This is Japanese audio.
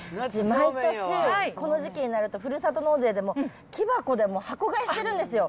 毎年この時期になると、ふるさと納税で木箱で箱買いしてるんですよ。